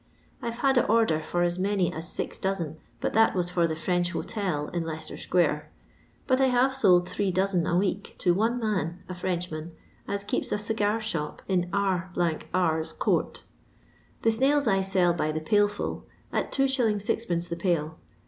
I 've had a order for as many as six down, but that was for the French hotel in Leicester square ; bnt I have sold three dosen a week to one man, a Frenchman, as keeps a cigar shop in H— i^s coort " The snails I sell by the pailful^at 2f. M. the pail.